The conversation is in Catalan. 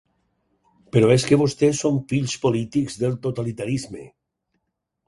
Però és que vostès són fills polítics del totalitarisme.